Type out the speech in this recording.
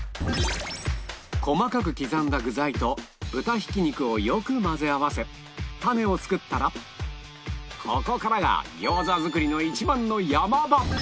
細かく刻んだ具材と豚ひき肉をよく混ぜ合わせタネを作ったらここからが餃子作りの一番の山場！